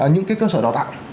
những cái cơ sở đào tạo